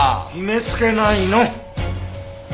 決めつけないの。